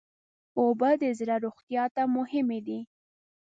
اوبه د زړه روغتیا ته مهمې دي.